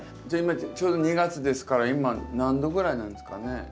じゃあ今ちょうど２月ですから今何度ぐらいなんですかね？